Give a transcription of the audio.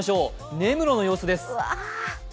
根室の様子です。